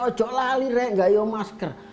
ojolali renggayo masker